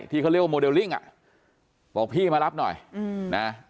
ที่เขาเรียกว่าโมเดลลิ่งอ่ะบอกพี่มารับหน่อยนะ